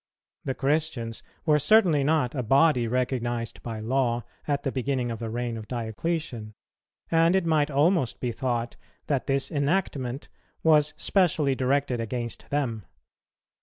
The Christians were certainly not a body recognized by law at the beginning of the reign of Diocletian, and it might almost be thought that this enactment was specially directed against them.